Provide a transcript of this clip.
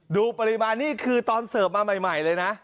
ดูปริมาณนี่คือตอนเสิร์ฟมาใหม่เลยนะ